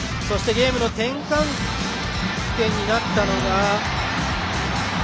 そしてゲームの転換点になったのが。